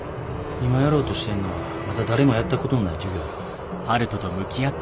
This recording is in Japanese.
今やろうとしてんのはまだ誰もやったことのない事業やろ。